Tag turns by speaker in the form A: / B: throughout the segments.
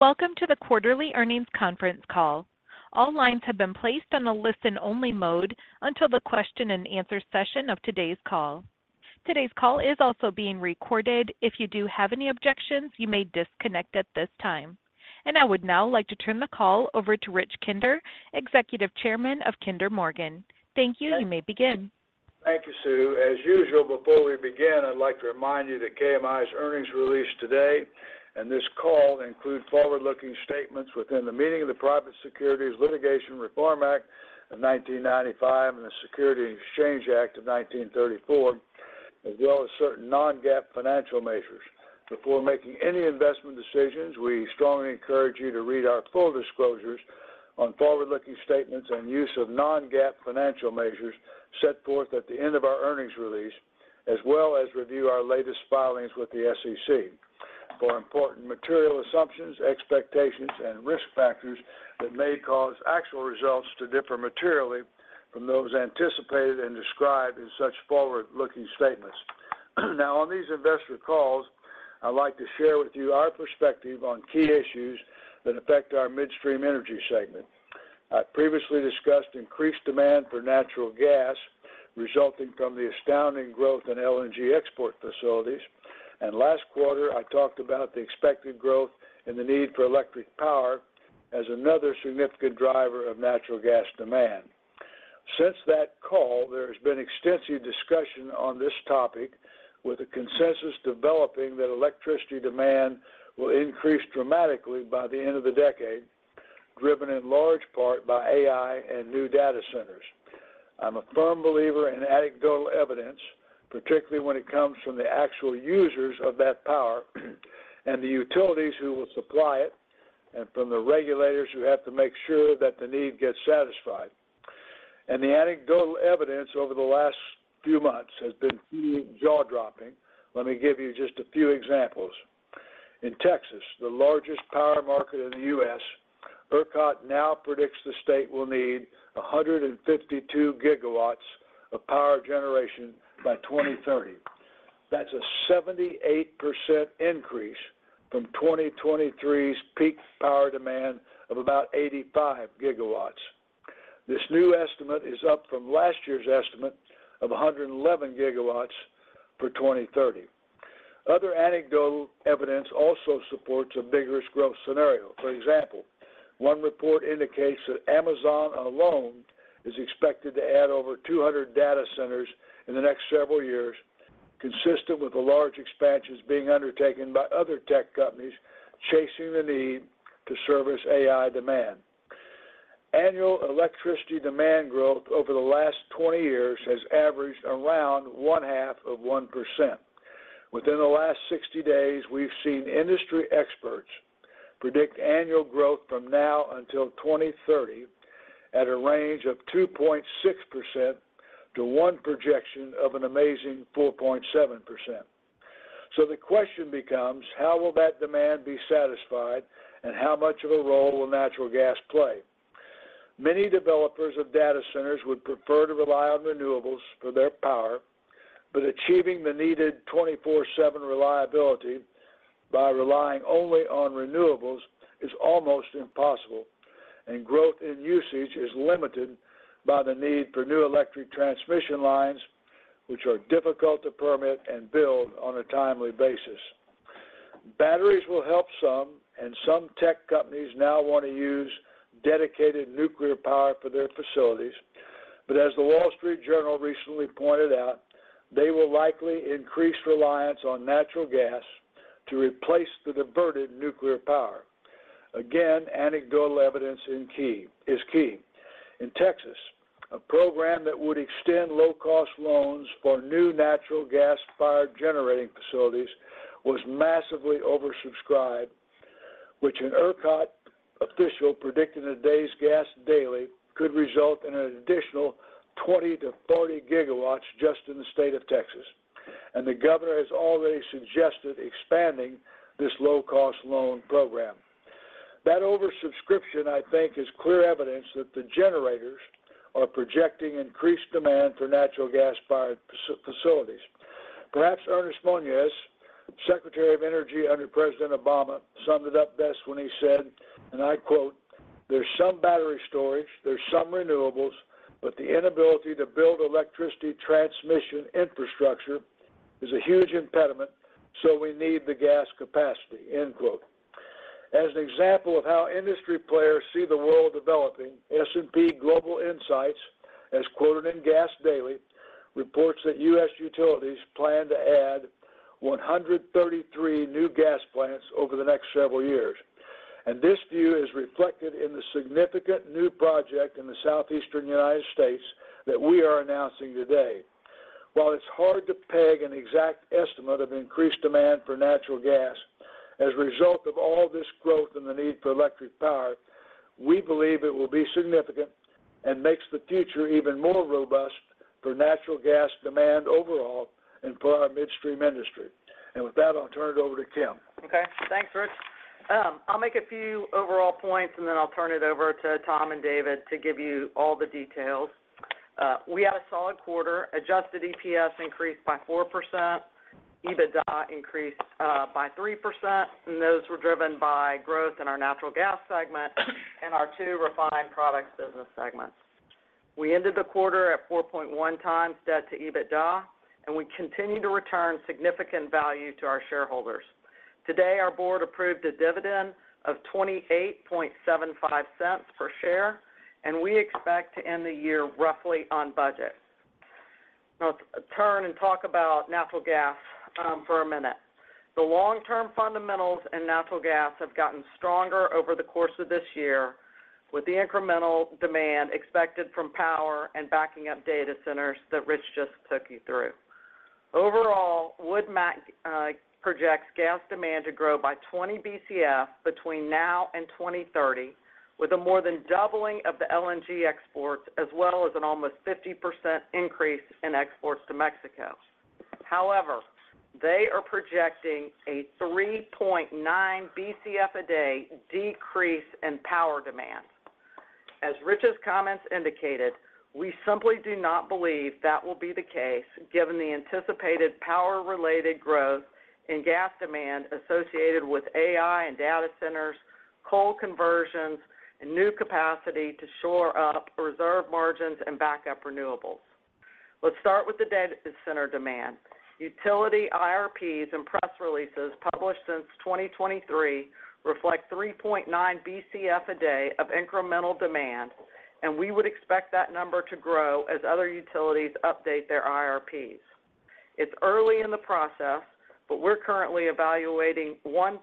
A: Welcome to the quarterly earnings conference call. All lines have been placed on a listen-only mode until the question-and-answer session of today's call. Today's call is also being recorded. If you do have any objections, you may disconnect at this time. I would now like to turn the call over to Rich Kinder, Executive Chairman of Kinder Morgan. Thank you. You may begin.
B: Thank you, Sue. As usual, before we begin, I'd like to remind you that KMI's earnings release today and this call include forward-looking statements within the meaning of the Private Securities Litigation Reform Act of 1995 and the Securities Exchange Act of 1934, as well as certain non-GAAP financial measures. Before making any investment decisions, we strongly encourage you to read our full disclosures on forward-looking statements and use of non-GAAP financial measures set forth at the end of our earnings release, as well as review our latest filings with the SEC for important material assumptions, expectations, and risk factors that may cause actual results to differ materially from those anticipated and described in such forward-looking statements. Now, on these investor calls, I'd like to share with you our perspective on key issues that affect our midstream energy segment. I previously discussed increased demand for natural gas, resulting from the astounding growth in LNG export facilities, and last quarter, I talked about the expected growth and the need for electric power as another significant driver of natural gas demand. Since that call, there has been extensive discussion on this topic, with a consensus developing that electricity demand will increase dramatically by the end of the decade, driven in large part by AI and new data centers. I'm a firm believer in anecdotal evidence, particularly when it comes from the actual users of that power, and the utilities who will supply it, and from the regulators who have to make sure that the need gets satisfied. The anecdotal evidence over the last few months has been jaw-dropping. Let me give you just a few examples. In Texas, the largest power market in the U.S., ERCOT now predicts the state will need 152GW of power generation by 2030. That's a 78% increase from 2023's peak power demand of about 85GW. This new estimate is up from last year's estimate of 111GW for 2030. Other anecdotal evidence also supports a vigorous growth scenario. For example, one report indicates that Amazon alone is expected to add over 200 data centers in the next several years, consistent with the large expansions being undertaken by other tech companies chasing the need to service AI demand. Annual electricity demand growth over the last 20 years has averaged around 0.5%. Within the last 60 days, we've seen industry experts predict annual growth from now until 2030 at a range of 2.6% to one projection of an amazing 4.7%. So the question becomes: How will that demand be satisfied, and how much of a role will natural gas play? Many developers of data centers would prefer to rely on renewables for their power, but achieving the needed 24/7 reliability by relying only on renewables is almost impossible, and growth in usage is limited by the need for new electric transmission lines, which are difficult to permit and build on a timely basis. Batteries will help some, and some tech companies now want to use dedicated nuclear power for their facilities. But as The Wall Street Journal recently pointed out, they will likely increase reliance on natural gas to replace the diverted nuclear power. Again, anecdotal evidence is key. In Texas, a program that would extend low-cost loans for new natural gas-fired generating facilities was massively oversubscribed, which an ERCOT official predicted in today's Gas Daily could result in an additional 20GW-40GW just in the state of Texas. The governor has already suggested expanding this low-cost loan program. That oversubscription, I think, is clear evidence that the generators are projecting increased demand for natural gas-fired facilities. Perhaps Ernest Moniz, Secretary of Energy under President Obama, summed it up best when he said, and I quote, "There's some battery storage, there's some renewables, but the inability to build electricity transmission infrastructure is a huge impediment, so we need the gas capacity." End quote. As an example of how industry players see the world developing, S&P Global Insights, as quoted in Gas Daily, reports that U.S. utilities plan to add 133 new gas plants over the next several years. This view is reflected in the significant new project in the Southeastern United States that we are announcing today. While it's hard to peg an exact estimate of increased demand for natural gas, as a result of all this growth and the need for electric power, we believe it will be significant and makes the future even more robust for natural gas demand overall and for our midstream industry. With that, I'll turn it over to Kim.
C: Okay, thanks, Rich. I'll make a few overall points, and then I'll turn it over to Tom and David to give you all the details.... We had a solid quarter. Adjusted EPS increased by 4%, EBITDA increased by 3%, and those were driven by growth in our natural gas segment and our two refined products business segments. We ended the quarter at 4.1x debt to EBITDA, and we continue to return significant value to our shareholders. Today, our board approved a dividend of $28.75 per share, and we expect to end the year roughly on budget. Now, turn and talk about natural gas for a minute. The long-term fundamentals in natural gas have gotten stronger over the course of this year, with the incremental demand expected from power and backing up data centers that Rich just took you through. Overall, Wood Mac projects gas demand to grow by 20 BCF between now and 2030, with a more than doubling of the LNG exports, as well as an almost 50% increase in exports to Mexico. However, they are projecting a 3.9 BCF a day decrease in power demand. As Rich's comments indicated, we simply do not believe that will be the case, given the anticipated power-related growth in gas demand associated with AI and data centers, coal conversions, and new capacity to shore up reserve margins and backup renewables. Let's start with the data center demand. Utility IRPs and press releases published since 2023 reflect 3.9 BCF a day of incremental demand, and we would expect that number to grow as other utilities update their IRPs. It's early in the process, but we're currently evaluating 1.6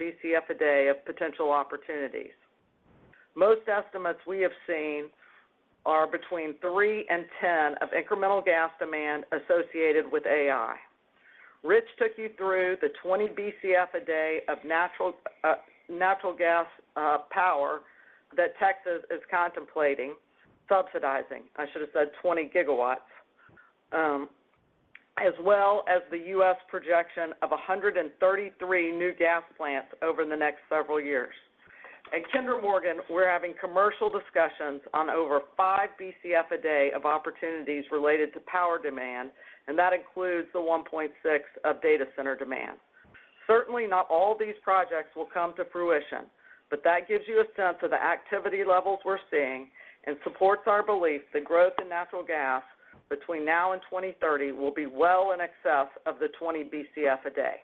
C: BCF a day of potential opportunities. Most estimates we have seen are between three and 10 of incremental gas demand associated with AI. Rich took you through the 20 BCF a day of natural, natural gas, power that Texas is contemplating subsidizing. I should have said 20GW, as well as the U.S. projection of 133 new gas plants over the next several years. At Kinder Morgan, we're having commercial discussions on over five BCF a day of opportunities related to power demand, and that includes the 1.6 of data center demand. Certainly, not all these projects will come to fruition, but that gives you a sense of the activity levels we're seeing and supports our belief that growth in natural gas between now and 2030 will be well in excess of the 20 BCF a day.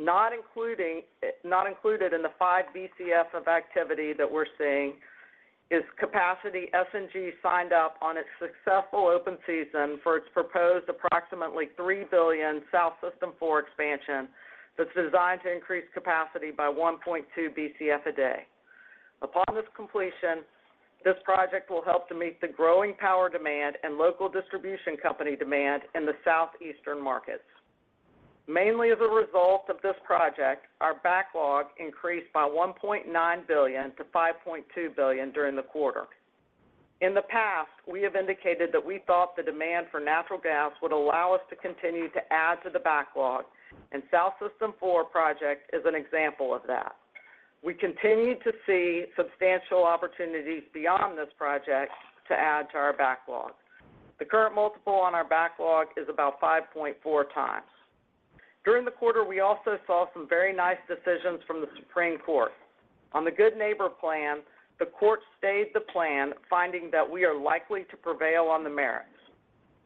C: Not included in the five BCF of activity that we're seeing is capacity SNG signed up on its successful open season for its proposed approximately $3 billion South System Four Expansion, that's designed to increase capacity by 1.2 BCF a day. Upon this completion, this project will help to meet the growing power demand and local distribution company demand in the Southeastern markets. Mainly as a result of this project, our backlog increased by $1.9 billion to $5.2 billion during the quarter. In the past, we have indicated that we thought the demand for natural gas would allow us to continue to add to the backlog, and South System Expansion Four project is an example of that. We continue to see substantial opportunities beyond this project to add to our backlog. The current multiple on our backlog is about 5.4x. During the quarter, we also saw some very nice decisions from the Supreme Court. On the Good Neighbor Plan, the court stayed the plan, finding that we are likely to prevail on the merits.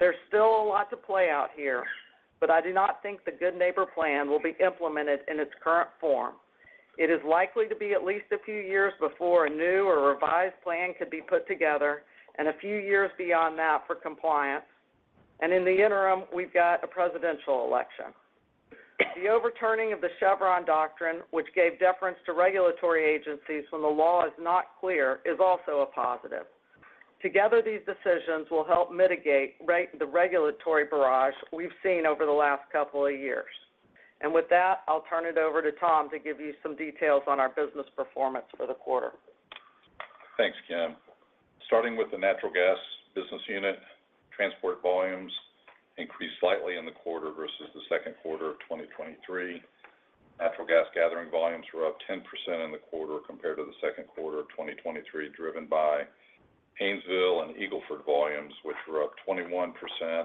C: There's still a lot to play out here, but I do not think the Good Neighbor Plan will be implemented in its current form. It is likely to be at least a few years before a new or revised plan could be put together and a few years beyond that for compliance. In the interim, we've got a presidential election. The overturning of the Chevron doctrine, which gave deference to regulatory agencies when the law is not clear, is also a positive. Together, these decisions will help mitigate the regulatory barrage we've seen over the last couple of years. With that, I'll turn it over to Tom to give you some details on our business performance for the quarter.
D: Thanks, Kim. Starting with the natural gas business unit, transport volumes increased slightly in the quarter versus the second quarter of 2023. Natural gas gathering volumes were up 10% in the quarter compared to the second quarter of 2023, driven by Haynesville and Eagle Ford volumes, which were up 21%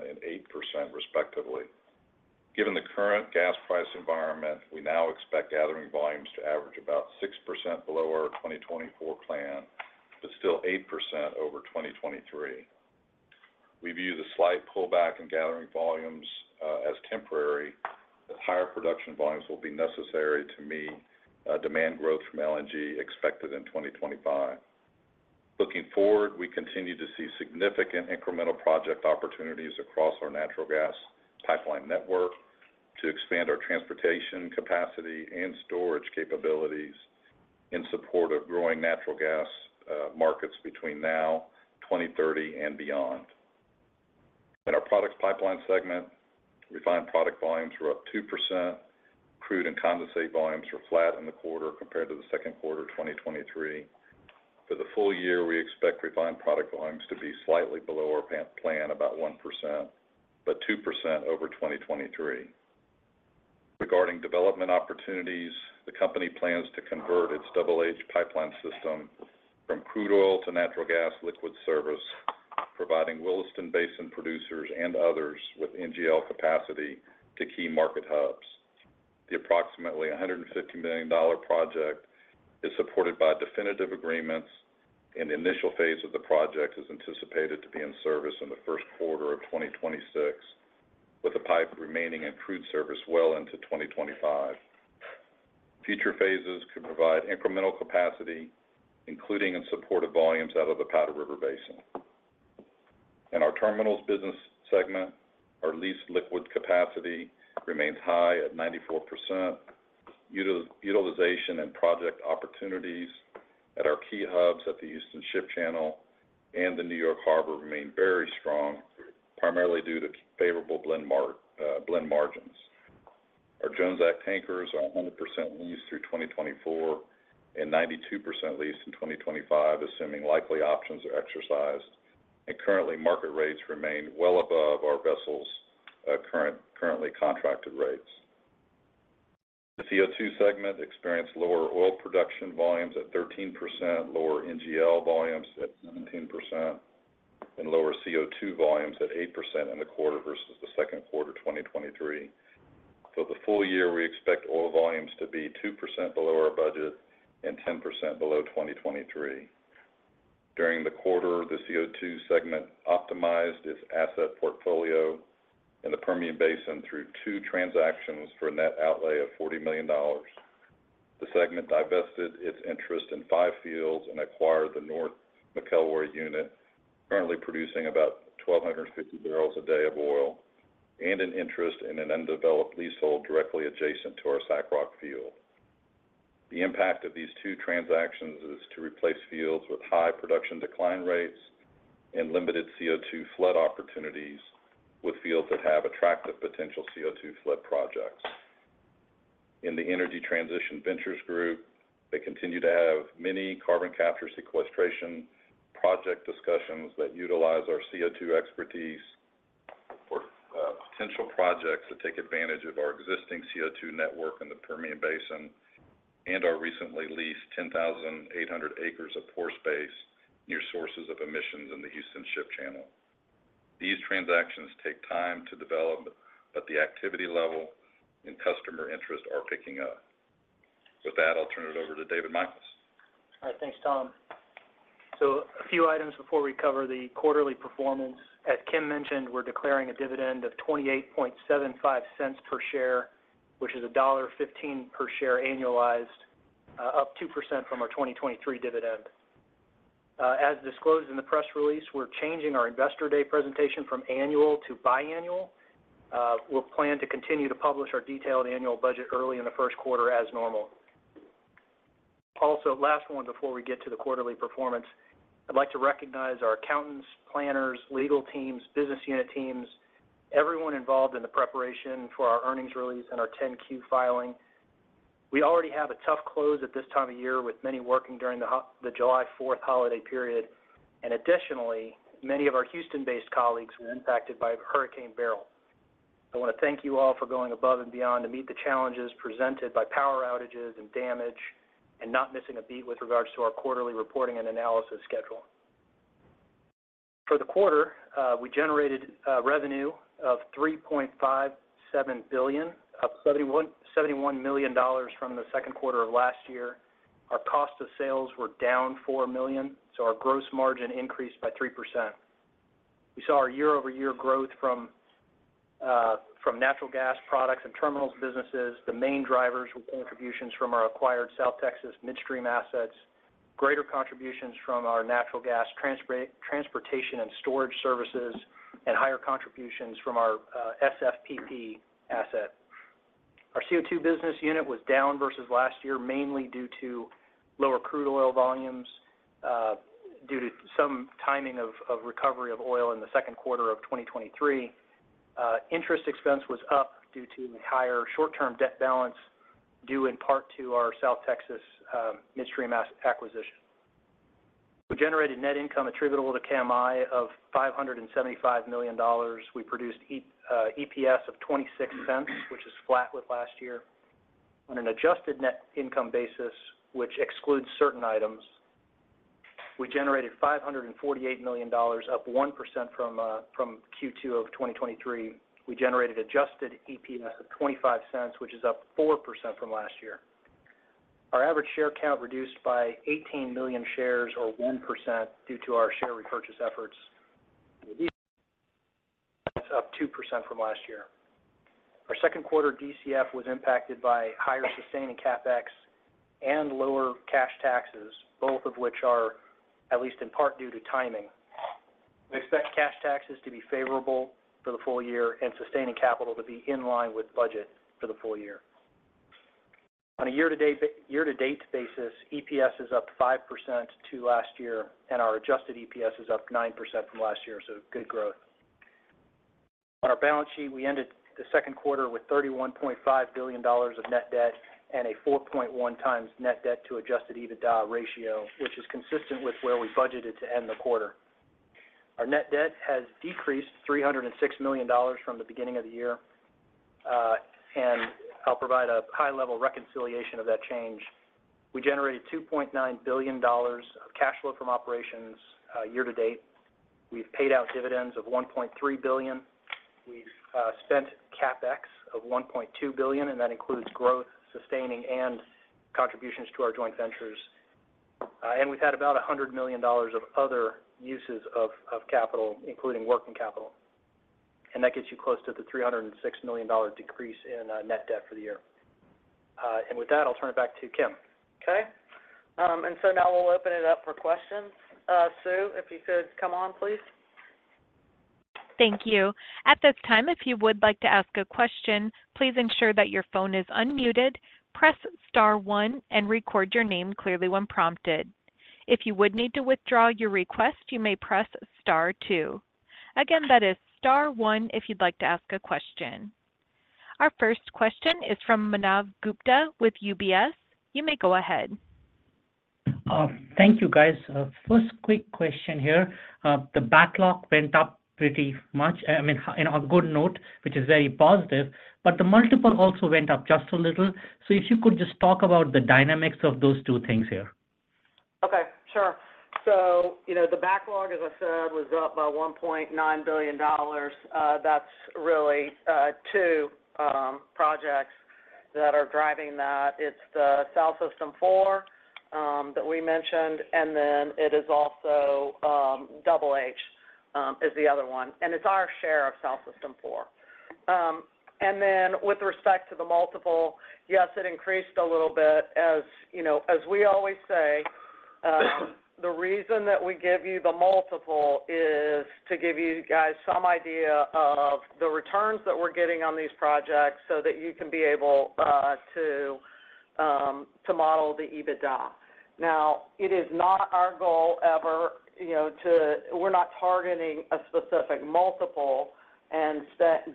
D: and 8%, respectively. Given the current gas price environment, we now expect gathering volumes to average about 6% below our 2024 plan, but still 8% over 2023. We view the slight pullback in gathering volumes as temporary, as higher production volumes will be necessary to meet demand growth from LNG expected in 2025. Looking forward, we continue to see significant incremental project opportunities across our natural gas pipeline network to expand our transportation capacity and storage capabilities in support of growing natural gas markets between now, 2030, and beyond. In our products pipeline segment, refined product volumes were up 2%. Crude and condensate volumes were flat in the quarter compared to the second quarter of 2023. For the full year, we expect refined product volumes to be slightly below our plan, about 1%, but 2% over 2023. Regarding development opportunities, the company plans to convert its Double H Pipeline system from crude oil to natural gas liquid service, providing Williston Basin producers and others with NGL capacity to key market hubs. The approximately $150 million project is supported by definitive agreements, and the initial phase of the project is anticipated to be in service in the first quarter of 2026, with the pipe remaining in crude service well into 2025. Future phases could provide incremental capacity, including in support of volumes out of the Powder River Basin. In our terminals business segment, our leased liquid capacity remains high at 94%. Utilization and project opportunities at our key hubs at the Houston Ship Channel and the New York Harbor remain very strong, primarily due to favorable blend margins. Our Jones Act tankers are 100% leased through 2024 and 92% leased in 2025, assuming likely options are exercised. Currently, market rates remain well above our vessels' currently contracted rates. The CO₂ segment experienced lower oil production volumes at 13%, lower NGL volumes at 17%, and lower CO₂ volumes at 8% in the quarter versus the second quarter of 2023. For the full year, we expect oil volumes to be 2% below our budget and 10% below 2023. During the quarter, the CO₂ segment optimized its asset portfolio in the Permian Basin through two transactions for a net outlay of $40 million. The segment divested its interest in five fields and acquired the North McElroy Unit, currently producing about 1,250 barrels a day of oil, and an interest in an undeveloped leasehold directly adjacent to our SACROC field. The impact of these two transactions is to replace fields with high production decline rates and limited CO₂ flood opportunities with fields that have attractive potential CO₂ flood projects. In the Energy Transition Ventures group, they continue to have many carbon capture sequestration project discussions that utilize our CO₂ expertise for potential projects to take advantage of our existing CO₂ network in the Permian Basin and our recently leased 10,800 acres of pore space near sources of emissions in the Houston Ship Channel. These transactions take time to develop, but the activity level and customer interest are picking up. With that, I'll turn it over to David Michels.
E: All right, thanks, Tom. So a few items before we cover the quarterly performance. As Kim mentioned, we're declaring a dividend of $28.75 per share, which is $1.15 per share annualized, up 2% from our 2023 dividend. As disclosed in the press release, we're changing our Investor Day presentation from annual to biannual. We'll plan to continue to publish our detailed annual budget early in the first quarter as normal. Also, last one before we get to the quarterly performance, I'd like to recognize our accountants, planners, legal teams, business unit teams, everyone involved in the preparation for our earnings release and our 10-Q filing. We already have a tough close at this time of year, with many working during the July Fourth holiday period. Additionally, many of our Houston-based colleagues were impacted by Hurricane Beryl. I want to thank you all for going above and beyond to meet the challenges presented by power outages and damage, and not missing a beat with regards to our quarterly reporting and analysis schedule. For the quarter, we generated revenue of $3.57 billion, up $71 million from the second quarter of last year. Our cost of sales were down $4 million, so our gross margin increased by 3%. We saw our year-over-year growth from natural gas products and terminals businesses, the main drivers with contributions from our acquired South Texas midstream assets, greater contributions from our natural gas transportation and storage services, and higher contributions from our SFPP asset. Our CO2 business unit was down versus last year, mainly due to lower crude oil volumes due to some timing of recovery of oil in the second quarter of 2023. Interest expense was up due to the higher short-term debt balance, due in part to our South Texas midstream acquisition. We generated net income attributable to KMI of $575 million. We produced EPS of $0.26, which is flat with last year. On an adjusted net income basis, which excludes certain items, we generated $548 million, up 1% from Q2 2023. We generated adjusted EPS of $0.25, which is up 4% from last year. Our average share count reduced by 18 million shares or 1%, due to our share repurchase efforts. It's up 2% from last year. Our second quarter DCF was impacted by higher sustaining CapEx and lower cash taxes, both of which are at least in part, due to timing. We expect cash taxes to be favorable for the full year and sustaining capital to be in line with budget for the full year. On a year-to-date basis, EPS is up 5% to last year, and our adjusted EPS is up 9% from last year, so good growth. On our balance sheet, we ended the second quarter with $31.5 billion of net debt and a 4.1x net debt to adjusted EBITDA ratio, which is consistent with where we budgeted to end the quarter. Our net debt has decreased $306 million from the beginning of the year, and I'll provide a high-level reconciliation of that change. We generated $2.9 billion of cash flow from operations, year to date. We've paid out dividends of $1.3 billion. We've spent CapEx of $1.2 billion, and that includes growth, sustaining, and contributions to our joint ventures. And we've had about $100 million of other uses of capital, including working capital, and that gets you close to the $306 million decrease in net debt for the year. And with that, I'll turn it back to Kim.
C: Okay. And so now we'll open it up for questions. Sue, if you could come on, please.
A: Thank you. At this time, if you would like to ask a question, please ensure that your phone is unmuted, press star one, and record your name clearly when prompted. If you would need to withdraw your request, you may press star two. Again, that is star one if you'd like to ask a question. Our first question is from Manav Gupta with UBS. You may go ahead.
F: Thank you, guys. First quick question here. The backlog went up pretty much, I mean, in a good note, which is very positive, but the multiple also went up just a little. So if you could just talk about the dynamics of those two things here.
C: Okay, sure. So, you know, the backlog, as I said, was up by $1.9 billion. That's really two projects that are driving that. It's the South System Four that we mentioned, and then it is also Double H is the other one, and it's our share of South System Four. And then with respect to the multiple, yes, it increased a little bit. As you know, as we always say, the reason that we give you the multiple is to give you guys some idea of the returns that we're getting on these projects so that you can be able to model the EBITDA. Now, it is not our goal ever, you know, to. We're not targeting a specific multiple and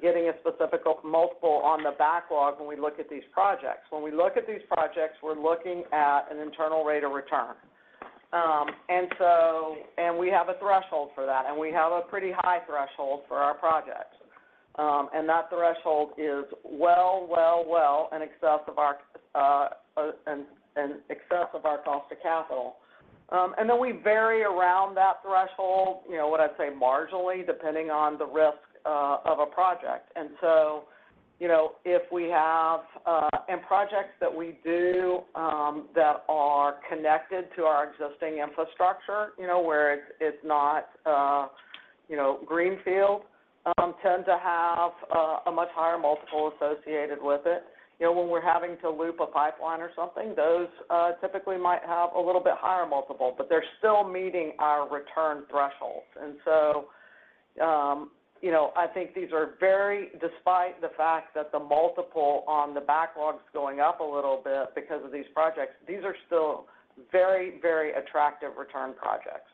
C: getting a specific multiple on the backlog when we look at these projects. When we look at these projects, we're looking at an internal rate of return. And we have a threshold for that, and we have a pretty high threshold for our projects. And that threshold is well in excess of our cost of capital. And then we vary around that threshold, you know, what I'd say, marginally, depending on the risk of a project. And so, you know, if we have projects that we do that are connected to our existing infrastructure, you know, where it's not greenfield, tend to have a much higher multiple associated with it. You know, when we're having to loop a pipeline or something, those typically might have a little bit higher multiple, but they're still meeting our return thresholds. You know, I think these are very, despite the fact that the multiple on the backlog's going up a little bit because of these projects. These are still very, very attractive return projects.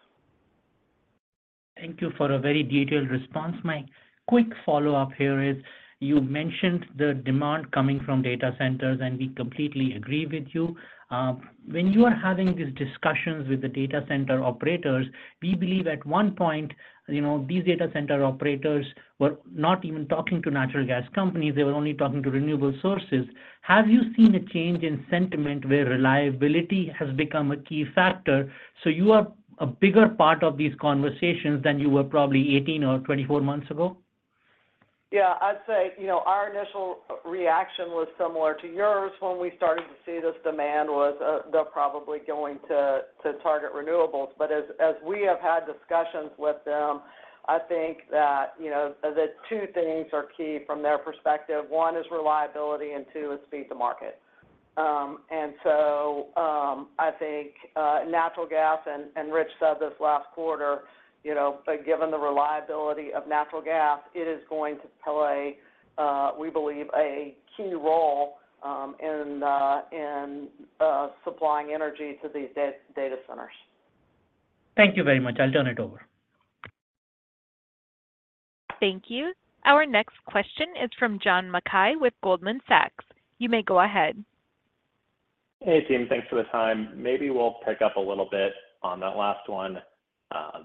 F: Thank you for a very detailed response. My quick follow-up here is, you mentioned the demand coming from data centers, and we completely agree with you. When you are having these discussions with the data center operators, we believe at one point, you know, these data center operators were not even talking to natural gas companies. They were only talking to renewable sources. Have you seen a change in sentiment where reliability has become a key factor, so you are a bigger part of these conversations than you were probably 18 or 24 months ago?
C: Yeah, I'd say, you know, our initial reaction was similar to yours when we started to see this demand, was, they're probably going to target renewables. But as we have had discussions with them, I think that, you know, the two things are key from their perspective. One is reliability, and two is speed to market. And so, I think, natural gas, and Rich said this last quarter, you know, but given the reliability of natural gas, it is going to play, we believe, a key role, in supplying energy to these data centers.
F: Thank you very much. I'll turn it over.
A: Thank you. Our next question is from John Mackay with Goldman Sachs. You may go ahead.
G: Hey, team, thanks for the time. Maybe we'll pick up a little bit on that last one,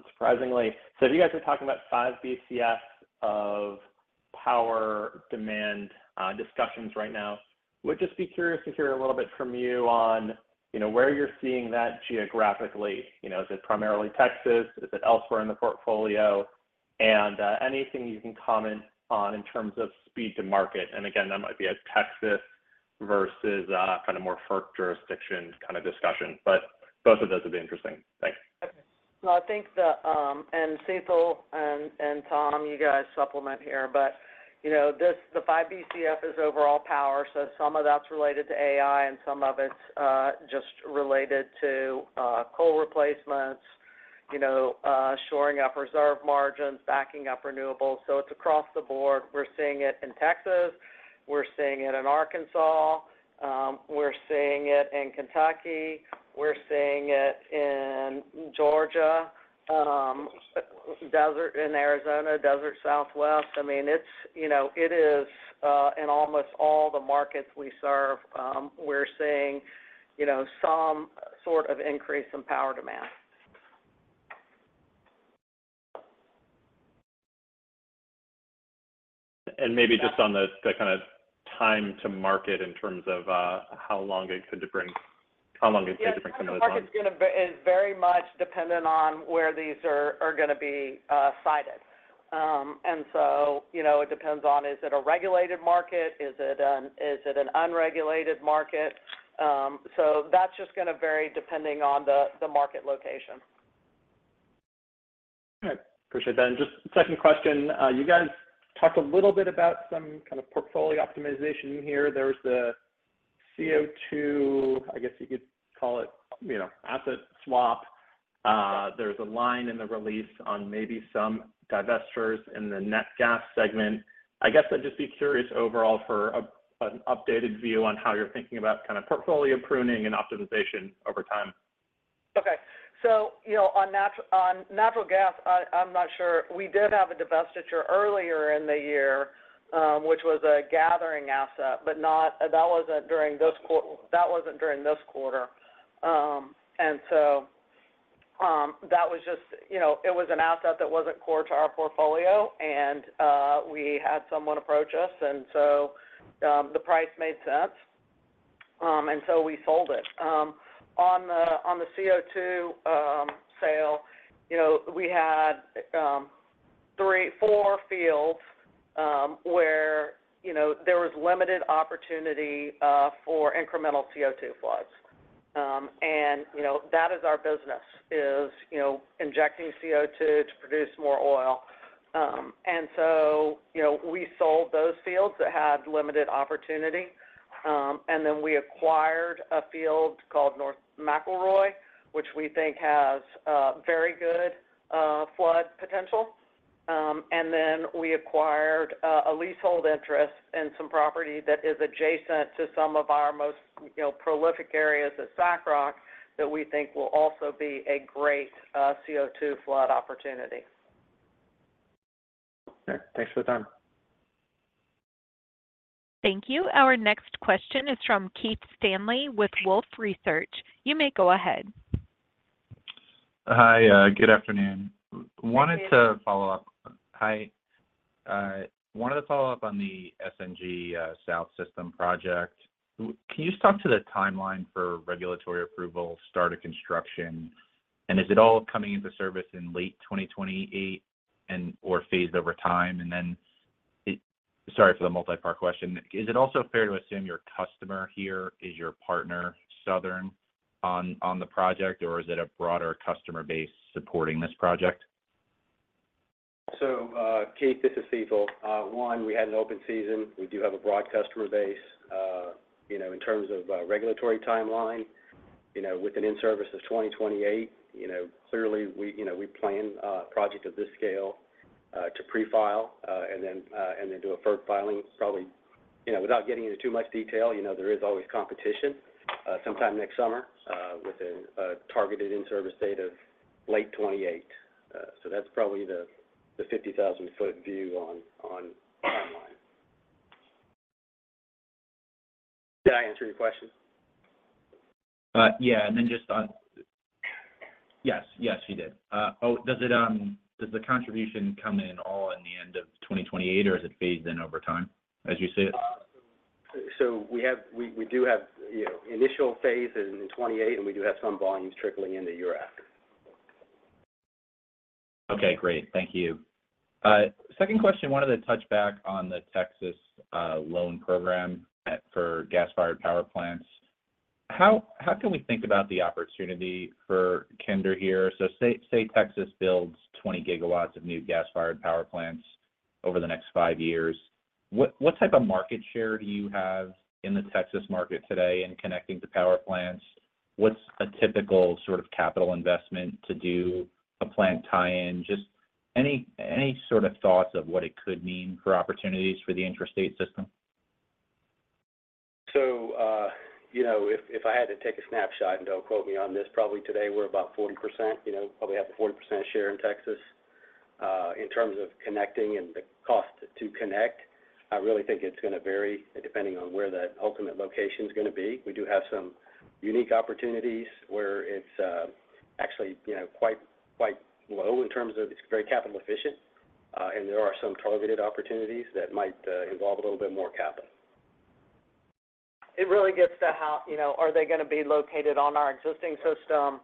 G: surprisingly. So you guys are talking about five BCF of power demand discussions right now. Would just be curious to hear a little bit from you on, you know, where you're seeing that geographically. You know, is it primarily Texas? Is it elsewhere in the portfolio? And anything you can comment on in terms of speed to market, and again, that might be a Texas versus a kind of more FERC jurisdiction kind of discussion, but both of those would be interesting. Thanks.
C: Well, I think and Sital and Tom, you guys supplement here, but you know, this, the five BCF is overall power, so some of that's related to AI, and some of it's just related to coal replacements, you know, shoring up reserve margins, backing up renewables. So it's across the board. We're seeing it in Texas, we're seeing it in Arkansas, we're seeing it in Kentucky, we're seeing it in Georgia, desert in Arizona, desert Southwest. I mean, it's you know, it is in almost all the markets we serve, we're seeing you know, some sort of increase in power demand.
G: And maybe just on the kind of time to market in terms of how long it could take to bring those on?
C: Yeah, time to market is gonna be, is very much dependent on where these are, are gonna be sited. And so, you know, it depends on is it a regulated market? Is it an unregulated market? So that's just gonna vary depending on the, the market location.
G: Okay. Appreciate that. Just second question, you guys talked a little bit about some kind of portfolio optimization here. There's the CO2, I guess you could call it, you know, asset swap. There's a line in the release on maybe some divestitures in the natural gas segment. I guess I'd just be curious overall for an updated view on how you're thinking about kind of portfolio pruning and optimization over time.
C: Okay. So, you know, on natural gas, I, I'm not sure. We did have a divestiture earlier in the year, which was a gathering asset, but that wasn't during this quarter. And so, that was just, you know, it was an asset that wasn't core to our portfolio, and we had someone approach us, and so, the price made sense, and so we sold it. On the CO2 sale, you know, we had three or four fields, where, you know, there was limited opportunity for incremental CO2 floods. And, you know, that is our business, is, you know, injecting CO2 to produce more oil. You know, we sold those fields that had limited opportunity, and then we acquired a field called North McElroy, which we think has very good flood potential. We acquired a leasehold interest in some property that is adjacent to some of our most prolific areas at SACROC, you know, that we think will also be a great CO2 flood opportunity.
G: Okay. Thanks for the time.
A: Thank you. Our next question is from Keith Stanley with Wolfe Research. You may go ahead.
H: Hi, good afternoon.
C: Hi, Keith.
H: Wanted to follow up. Hi. Wanted to follow up on the SNG, South System project. Can you just talk to the timeline for regulatory approval, start of construction, and is it all coming into service in late 2028 and/or phased over time? And then sorry for the multi-part question. Is it also fair to assume your customer here is your partner, Southern, on, on the project, or is it a broader customer base supporting this project?
I: So, Keith, this is Sital. One, we had an open season. We do have a broad customer base. You know, in terms of regulatory timeline, you know, with an in-service of 2028, you know, clearly we, you know, we plan a project of this scale to pre-file and then do a FERC filing, probably, you know, without getting into too much detail, you know, there is always competition sometime next summer with a targeted in-service date of late 2028. So that's probably the 50,000-foot view on timeline. Did I answer your question?
H: Yeah. And then just on... Yes. Yes, you did. Oh, does it, does the contribution come in all in the end of 2028, or does it phase in over time as you see it?
I: So we have, you know, initial phases in 2028, and we do have some volumes trickling into year after.
H: Okay, great. Thank you. Second question, wanted to touch back on the Texas loan program for gas-fired power plants. How can we think about the opportunity for Kinder here? So say Texas builds 20GW of new gas-fired power plants over the next five years. What type of market share do you have in the Texas market today in connecting to power plants? What's a typical sort of capital investment to do a plant tie-in? Just any sort of thoughts of what it could mean for opportunities for the intrastate system?
I: So, you know, if I had to take a snapshot, and don't quote me on this, probably today we're about 40%, you know, probably have a 40% share in Texas. In terms of connecting and the cost to connect, I really think it's gonna vary depending on where the ultimate location is gonna be. We do have some unique opportunities where it's actually, you know, quite low in terms of it's very capital efficient, and there are some targeted opportunities that might involve a little bit more capital.
C: It really gets to how, you know, are they gonna be located on our existing system,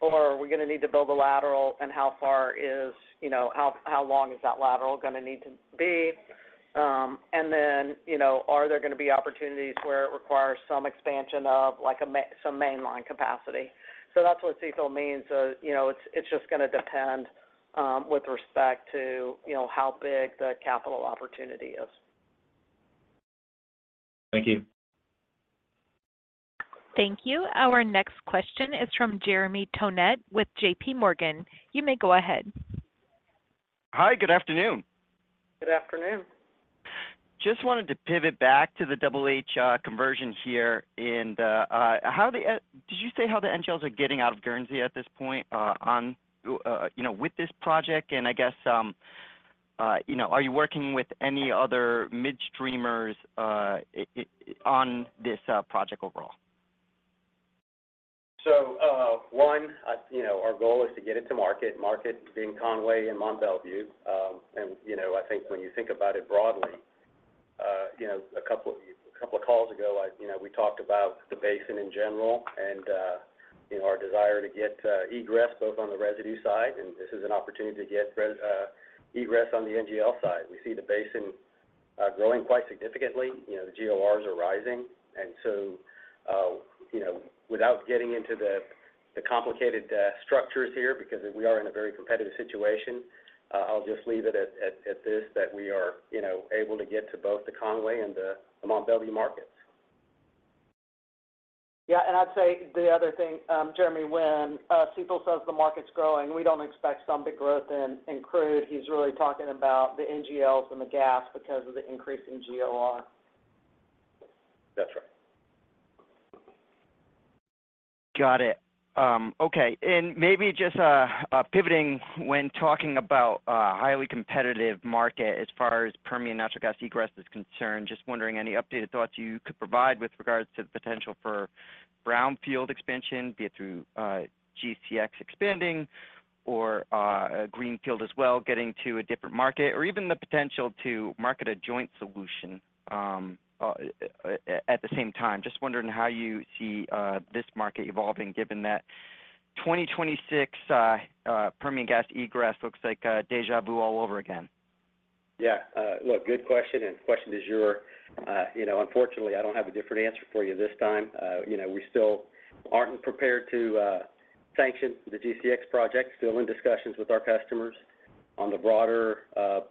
C: or are we gonna need to build a lateral, and how far is, you know, how, how long is that lateral gonna need to be? And then, you know, are there gonna be opportunities where it requires some expansion of, like, some mainline capacity? So that's what Sital means. You know, it's, it's just gonna depend, with respect to, you know, how big the capital opportunity is.
H: Thank you.
A: Thank you. Our next question is from Jeremy Tonet with JPMorgan. You may go ahead.
J: Hi, good afternoon.
C: Good afternoon.
J: Just wanted to pivot back to the Double H conversion here, and how are the—did you say how the NGLs are getting out of Guernsey at this point, on you know, with this project? And I guess, you know, are you working with any other midstreamers on this project overall?...
I: Well, one, you know, our goal is to get it to market, market being Conway and Mont Belvieu. And, you know, I think when you think about it broadly, you know, a couple of calls ago, like, you know, we talked about the basin in general, and, you know, our desire to get egress both on the residue side, and this is an opportunity to get egress on the NGL side. We see the basin growing quite significantly. You know, the GORs are rising, and so, you know, without getting into the complicated structures here, because we are in a very competitive situation, I'll just leave it at this, that we are, you know, able to get to both the Conway and the Mont Belvieu markets.
C: Yeah, and I'd say the other thing, Jeremy, when Sital says the market's growing, we don't expect some big growth in crude. He's really talking about the NGLs and the gas because of the increase in GOR.
I: That's right.
J: Got it. Okay, and maybe just pivoting when talking about a highly competitive market as far as Permian natural gas egress is concerned. Just wondering, any updated thoughts you could provide with regards to the potential for brownfield expansion, be it through GCX expanding or a greenfield as well, getting to a different market, or even the potential to market a joint solution at the same time? Just wondering how you see this market evolving, given that 2026 Permian gas egress looks like déjà vu all over again.
I: Yeah. Look, good question, and question du jour. You know, unfortunately, I don't have a different answer for you this time. You know, we still aren't prepared to sanction the GCX project, still in discussions with our customers on the broader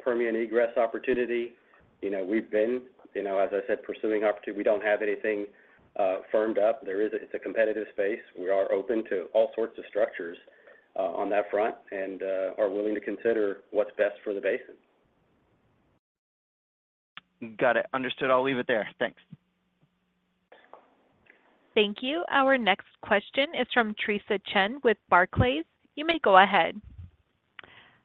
I: Permian egress opportunity. You know, we've been, you know, as I said, pursuing opportunity. We don't have anything firmed up. There is. It's a competitive space. We are open to all sorts of structures on that front and are willing to consider what's best for the basin.
J: Got it. Understood. I'll leave it there. Thanks.
A: Thank you. Our next question is from Theresa Chen with Barclays. You may go ahead.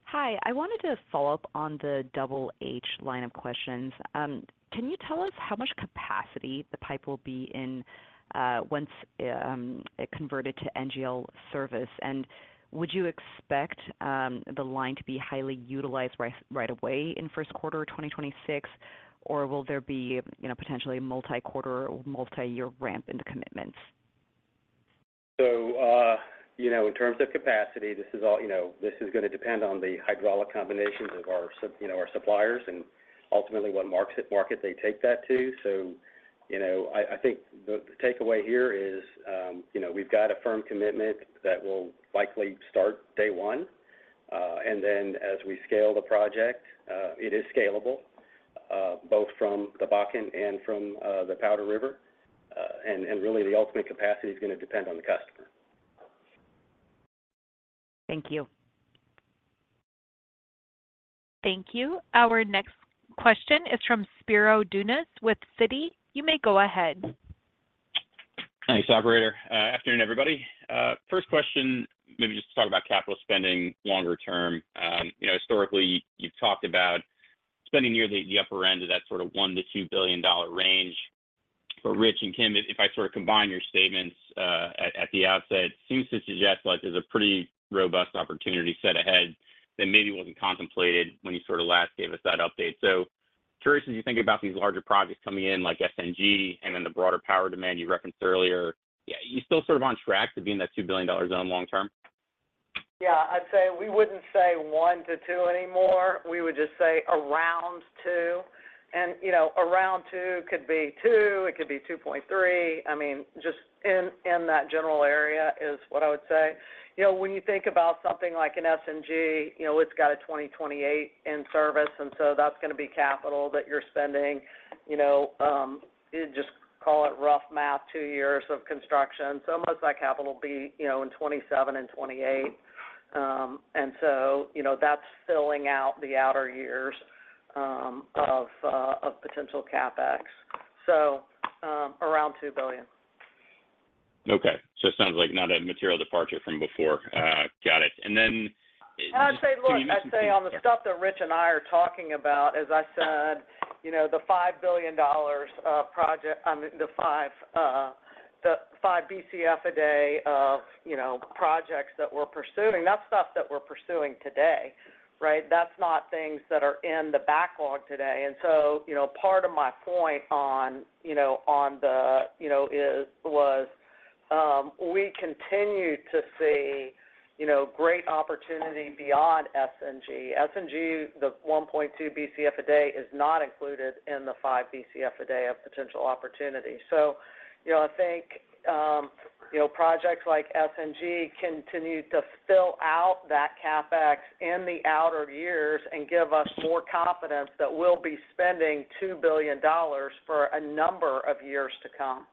K: Hi. I wanted to follow up on the Double H line of questions. Can you tell us how much capacity the pipe will be in, once it converted to NGL service? And would you expect the line to be highly utilized right away in first quarter of 2026, or will there be, you know, potentially a multi-quarter or multi-year ramp into commitments?
I: So, you know, in terms of capacity, this is gonna depend on the hydraulic combinations of our suppliers and ultimately what market they take that to. So, you know, I think the takeaway here is, you know, we've got a firm commitment that will likely start day one. And then as we scale the project, it is scalable, both from the Bakken and from the Powder River. And really, the ultimate capacity is gonna depend on the customer.
K: Thank you.
A: Thank you. Our next question is from Spiro Dounis with Citi. You may go ahead.
L: Thanks, operator. Afternoon, everybody. First question, maybe just to talk about capital spending longer term. You know, historically, you've talked about spending near the upper end of that sort of $1 billion-$2 billion range. For Rich and Kim, if I sort of combine your statements, at the outset, it seems to suggest like there's a pretty robust opportunity set ahead that maybe wasn't contemplated when you sort of last gave us that update. So curious, as you think about these larger projects coming in, like SNG and then the broader power demand you referenced earlier, are you still sort of on track to be in that $2 billion zone long term?
C: Yeah, I'd say we wouldn't say one to two anymore. We would just say around two, and, you know, around two could be two, it could be 2.3. I mean, just in that general area is what I would say. You know, when you think about something like an SNG, you know, it's got a 2028 in service, and so that's gonna be capital that you're spending. You know, you just call it rough math, two years of construction. So most of that capital will be, you know, in 2027 and 2028. And so, you know, that's filling out the outer years of potential CapEx. So, around $2 billion.
L: Okay. So it sounds like not a material departure from before. Got it. And then-
C: I'd say, look, I'd say on the stuff that Rich and I are talking about, as I said, you know, the $5 billion project, I mean, the five BCF a day of, you know, projects that we're pursuing, that's stuff that we're pursuing today, right? That's not things that are in the backlog today. And so, you know, part of my point on, you know, on the, you know, was we continue to see, you know, great opportunity beyond SNG. SNG, the 1.2 BCF a day, is not included in the five BCF a day of potential opportunity. So, you know, I think, you know, projects like SNG continue to fill out that CapEx in the outer years and give us more confidence that we'll be spending $2 billion for a number of years to come.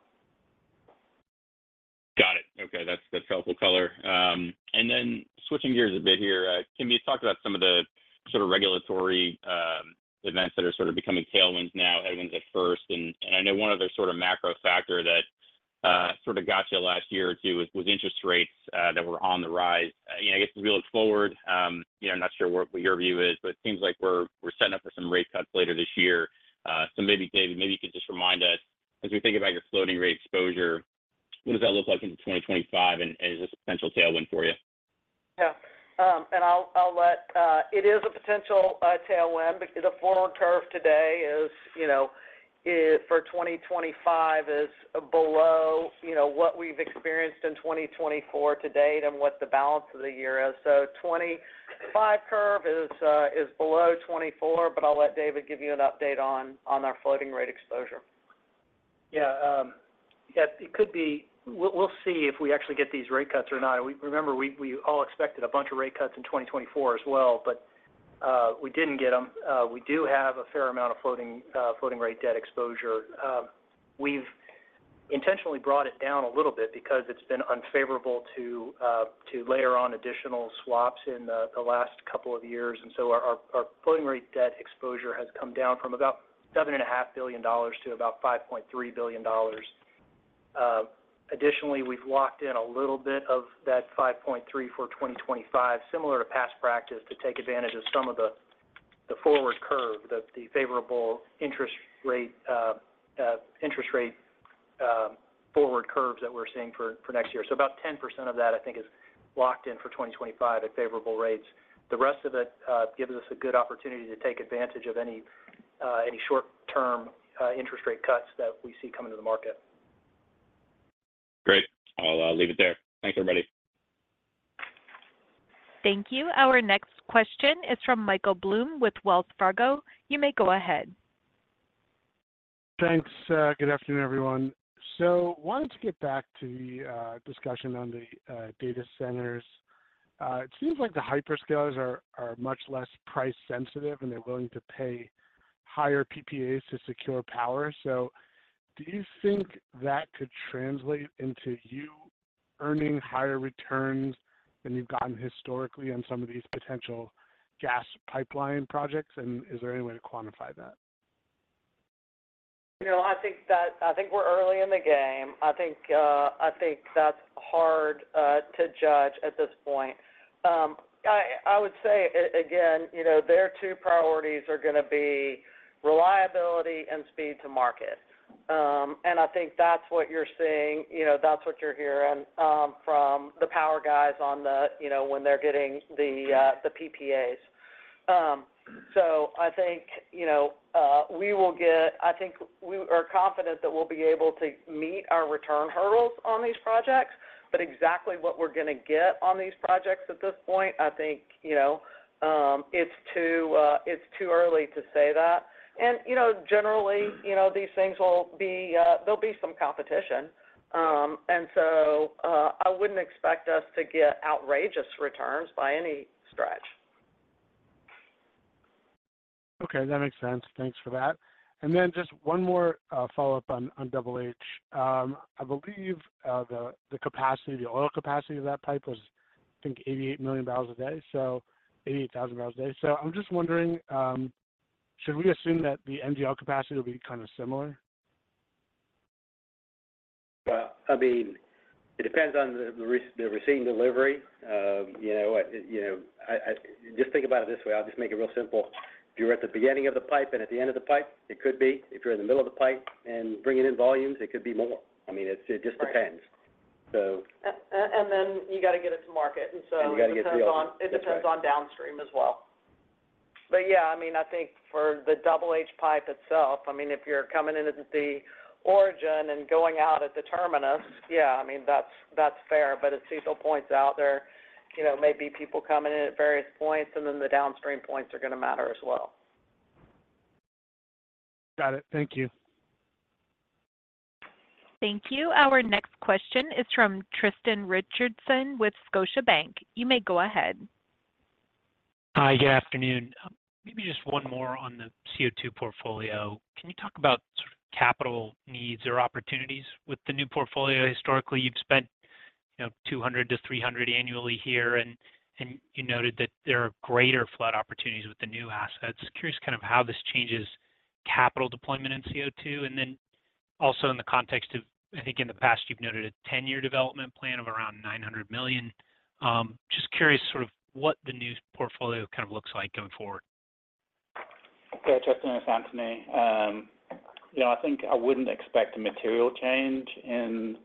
L: Got it. Okay, that's, that's helpful color. And then switching gears a bit here, can we talk about some of the sort of regulatory events that are sort of becoming tailwinds now, headwinds at first, and I know one other sort of macro factor that sort of got you last year or two was, was interest rates that were on the rise. You know, I guess as we look forward, you know, I'm not sure what, what your view is, but it seems like we're, we're setting up for some rate cuts later this year. So maybe, maybe, maybe you could just remind us, as we think about your floating rate exposure, what does that look like into 2025, and is this a potential tailwind for you?
C: Yeah, and it is a potential tailwind, because the forward curve today is, you know, for 2025 is below, you know, what we've experienced in 2024 to date and what the balance of the year is. So 2025 curve is below 2024, but I'll let David give you an update on our floating rate exposure.
E: Yeah. Yeah, it could be. We'll see if we actually get these rate cuts or not. Remember, we all expected a bunch of rate cuts in 2024 as well, but we didn't get them. We do have a fair amount of floating rate debt exposure. We've intentionally brought it down a little bit because it's been unfavorable to layer on additional swaps in the last couple of years. And so our floating rate debt exposure has come down from about $7.5 billion to about $5.3 billion. Additionally, we've locked in a little bit of that 5.3 for 2025, similar to past practice, to take advantage of some of the forward curve, the favorable interest rate forward curves that we're seeing for next year. So about 10% of that, I think, is locked in for 2025 at favorable rates. The rest of it gives us a good opportunity to take advantage of any short-term interest rate cuts that we see coming to the market.
L: Great. I'll leave it there. Thanks, everybody.
A: Thank you. Our next question is from Michael Blum with Wells Fargo. You may go ahead.
M: Thanks. Good afternoon, everyone. So wanted to get back to the discussion on the data centers. It seems like the hyperscalers are much less price sensitive, and they're willing to pay higher PPAs to secure power. So do you think that could translate into you earning higher returns than you've gotten historically on some of these potential gas pipeline projects? And is there any way to quantify that?
C: You know, I think we're early in the game. I think that's hard to judge at this point. I would say again, you know, their two priorities are gonna be reliability and speed to market. And I think that's what you're seeing, you know, that's what you're hearing, from the power guys on the, you know, when they're getting the PPAs. So I think, you know, we will get-- I think we are confident that we'll be able to meet our return hurdles on these projects, but exactly what we're gonna get on these projects at this point, I think, you know, it's too early to say that. And, you know, generally, you know, these things will be, there'll be some competition. I wouldn't expect us to get outrageous returns by any stretch.
M: Okay, that makes sense. Thanks for that. And then just one more follow-up on Double H. I believe the capacity, the oil capacity of that pipe was, I think, 88 million barrels a day, so 88,000 barrels a day. So I'm just wondering, should we assume that the NGL capacity will be kind of similar?
E: Well, I mean, it depends on the receiving delivery. You know what? You know, just think about it this way, I'll just make it real simple. If you're at the beginning of the pipe and at the end of the pipe, it could be. If you're in the middle of the pipe and bringing in volumes, it could be more. I mean, it just depends. So-
C: And then you got to get it to market.
E: You got to get it to market.
C: And so it depends on downstream as well. But yeah, I mean, I think for the Double H pipe itself, I mean, if you're coming in at the origin and going out at the terminus, yeah, I mean, that's fair. But as Sital points out, there, you know, may be people coming in at various points, and then the downstream points are going to matter as well.
M: Got it. Thank you.
A: Thank you. Our next question is from Tristan Richardson with Scotiabank. You may go ahead.
N: Hi, good afternoon. Maybe just one more on the CO2 portfolio. Can you talk about sort of capital needs or opportunities with the new portfolio? Historically, you've spent, you know, $200-$300 annually here, and, and you noted that there are greater flood opportunities with the new assets. Curious kind of how this changes capital deployment in CO2, and then also in the context of, I think in the past you've noted a ten-year development plan of around $900 million. Just curious sort of what the new portfolio kind of looks like going forward.
O: Yeah, Tristan, it's Anthony. You know, I think I wouldn't expect a material change in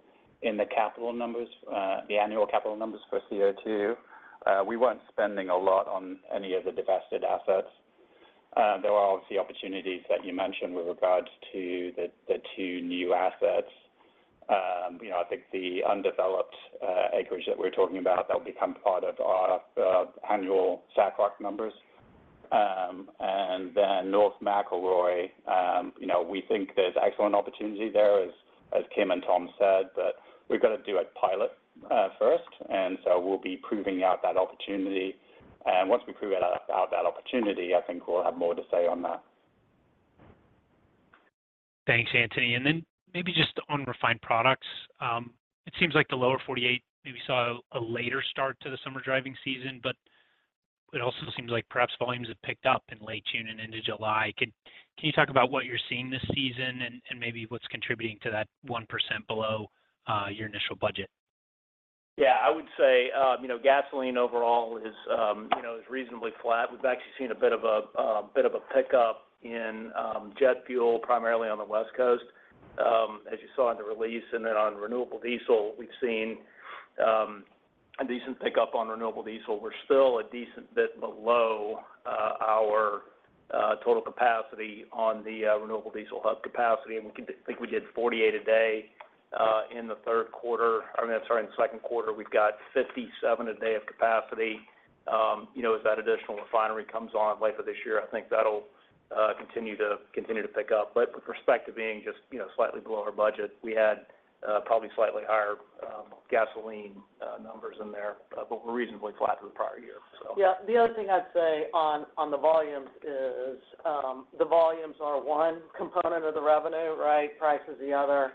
O: the capital numbers, the annual capital numbers for CO2. We weren't spending a lot on any of the divested assets. There are obviously opportunities that you mentioned with regard to the two new assets. You know, I think the undeveloped acreage that we're talking about, that will become part of our annual SACROC numbers. And then North McElroy, you know, we think there's excellent opportunity there, as Kim and Tom said, but we've got to do a pilot first, and so we'll be proving out that opportunity. And once we prove out that opportunity, I think we'll have more to say on that.
N: Thanks, Anthony. And then maybe just on refined products, it seems like the lower 48 maybe saw a later start to the summer driving season, but it also seems like perhaps volumes have picked up in late June and into July. Can you talk about what you're seeing this season and maybe what's contributing to that 1% below your initial budget?
O: Yeah, I would say, you know, gasoline overall is, you know, is reasonably flat. We've actually seen a bit of a pickup in jet fuel, primarily on the West Coast.... as you saw in the release, and then on renewable diesel, we've seen a decent pickup on renewable diesel. We're still a decent bit below our total capacity on the renewable diesel hub capacity, and I think we did 48 a day in the third quarter. I mean, sorry, in the second quarter, we've got 57 a day of capacity. You know, as that additional refinery comes on later this year, I think that'll continue to pick up. But with respect to being just, you know, slightly below our budget, we had probably slightly higher gasoline numbers in there, but we're reasonably flat for the prior year, so.
C: Yeah. The other thing I'd say on the volumes is the volumes are one component of the revenue, right? Price is the other.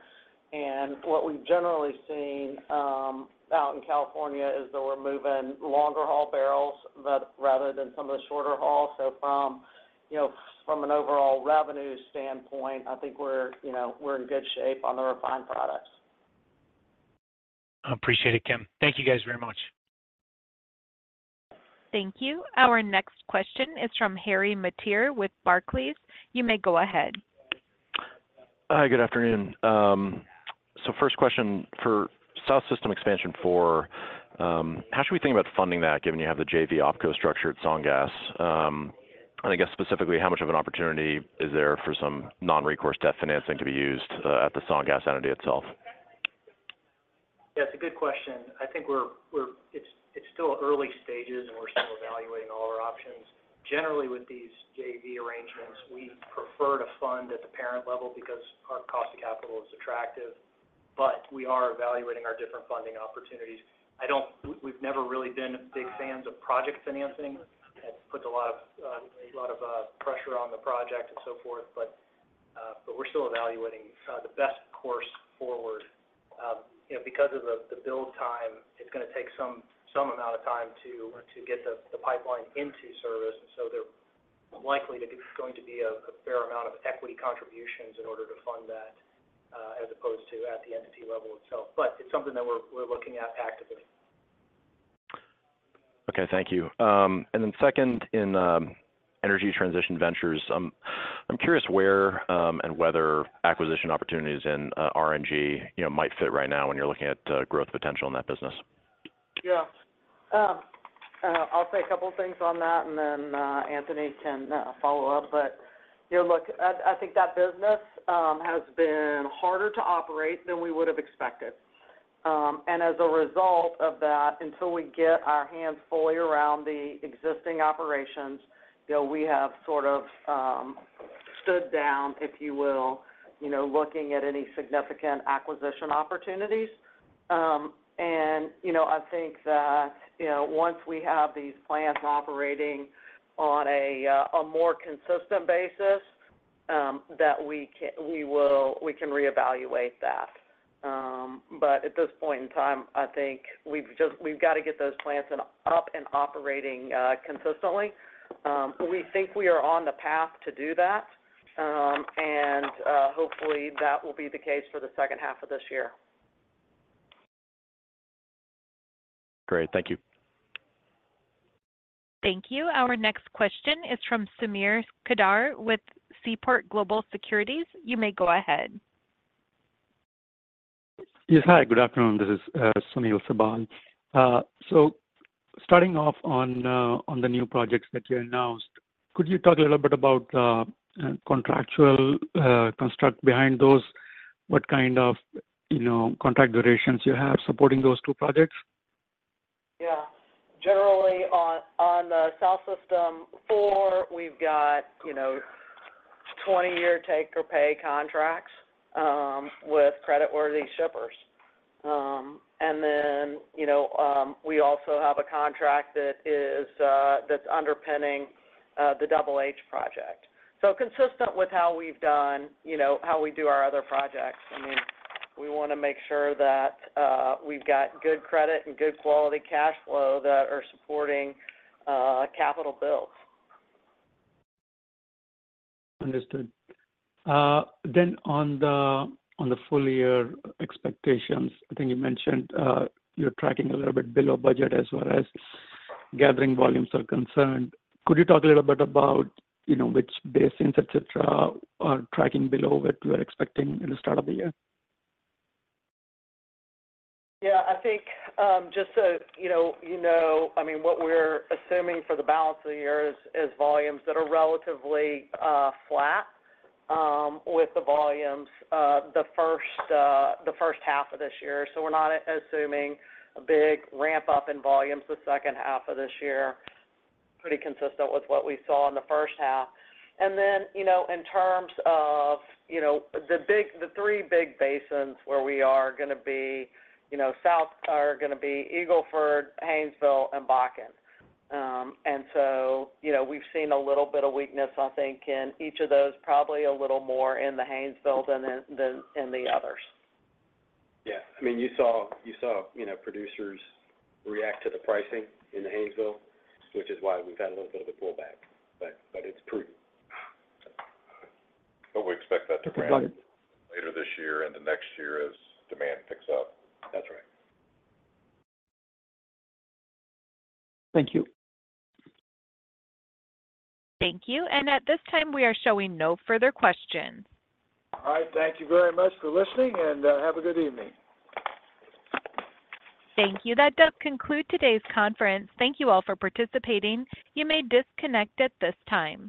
C: And what we've generally seen out in California is that we're moving longer haul barrels rather than some of the shorter hauls. So from, you know, from an overall revenue standpoint, I think we're, you know, we're in good shape on the refined products.
N: I appreciate it, Kim. Thank you, guys, very much.
A: Thank you. Our next question is from Harry Mateer with Barclays. You may go ahead.
P: Hi, good afternoon. So first question, for South System Expansion Four, how should we think about funding that, given you have the JV OpCo structure at SNG? And I guess specifically, how much of an opportunity is there for some non-recourse debt financing to be used at the SNG entity itself?
E: Yeah, it's a good question. I think we're. It's still early stages, and we're still evaluating all our options. Generally, with these JV arrangements, we prefer to fund at the parent level because our cost of capital is attractive, but we are evaluating our different funding opportunities. I don't. We've never really been big fans of project financing. It puts a lot of pressure on the project and so forth, but we're still evaluating the best course forward. You know, because of the build time, it's gonna take some amount of time to get the pipeline into service, so there likely to be going to be a fair amount of equity contributions in order to fund that, as opposed to at the entity level itself. But it's something that we're looking at actively.
P: Okay, thank you. And then second, in Energy Transition Ventures, I'm curious where and whether acquisition opportunities in RNG, you know, might fit right now when you're looking at growth potential in that business.
C: Yeah. I'll say a couple of things on that, and then Anthony can follow up. But, you know, look, I think that business has been harder to operate than we would have expected. And as a result of that, until we get our hands fully around the existing operations, you know, we have sort of stood down, if you will, you know, looking at any significant acquisition opportunities. And, you know, I think that, you know, once we have these plants operating on a more consistent basis, that we can-- we will-- we can reevaluate that. But at this point in time, I think we've just-- we've got to get those plants up and operating consistently. We think we are on the path to do that, and hopefully, that will be the case for the second half of this year.
P: Great. Thank you.
A: Thank you. Our next question is from Sunil Sibal with Seaport Global Securities. You may go ahead.
Q: Yes, hi, good afternoon. This is Sunil Sibal. So starting off on the new projects that you announced, could you talk a little bit about contractual construct behind those? What kind of, you know, contract durations you have supporting those two projects?
C: Yeah. Generally, on the South System Four, we've got, you know, 20-year take or pay contracts with creditworthy shippers. And then, you know, we also have a contract that is, that's underpinning the Double H project. So consistent with how we've done, you know, how we do our other projects, I mean, we wanna make sure that we've got good credit and good quality cash flow that are supporting capital builds.
Q: Understood. Then on the full year expectations, I think you mentioned you're tracking a little bit below budget as well as gathering volumes are concerned. Could you talk a little bit about, you know, which basins, et cetera, are tracking below what you were expecting in the start of the year?
C: Yeah, I think, just so, you know, you know, I mean, what we're assuming for the balance of the year is volumes that are relatively flat with the volumes the first half of this year. So we're not assuming a big ramp-up in volumes the second half of this year. Pretty consistent with what we saw in the first half. And then, you know, in terms of, you know, the three big basins where we are gonna be, you know, so are gonna be Eagle Ford, Haynesville, and Bakken. And so, you know, we've seen a little bit of weakness, I think, in each of those, probably a little more in the Haynesville than in the others.
E: Yeah. I mean, you saw, you saw, you know, producers react to the pricing in the Haynesville, which is why we've had a little bit of a pullback, but, but it's proof.
D: But we expect that to ramp-
Q: Right
D: later this year and the next year as demand picks up.
E: That's right.
Q: Thank you.
A: Thank you. At this time, we are showing no further questions.
C: All right. Thank you very much for listening, and have a good evening.
A: Thank you. That does conclude today's conference. Thank you all for participating. You may disconnect at this time.